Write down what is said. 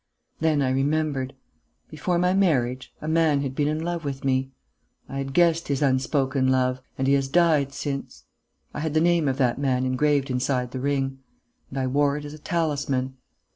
Then I remembered: before my marriage, a man had been in love with me. I had guessed his unspoken love; and he has died since. I had the name of that man engraved inside the ring; and I wore it as a talisman.